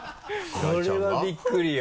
これはびっくりよ。